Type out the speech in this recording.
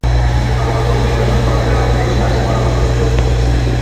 আমার বক্তব্য রেকর্ড করার জন্য, কৃষ্ণা কুমার আমাকে জোর দিয়েছে।